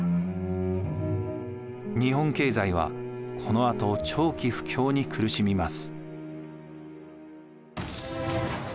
日本経済はこのあと長期不況に苦しみます。